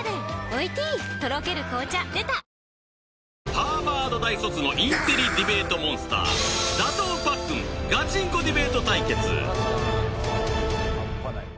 ハーバード大卒のインテリディベートモンスター打倒パックンガチンコディベート対決！